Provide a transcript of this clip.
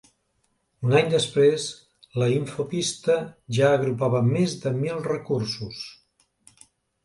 Un any després, La Infopista ja agrupava més de mil recursos.